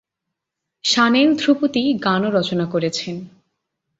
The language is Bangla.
সান্যাল ধ্রুপদী গানও রচনা করেছেন।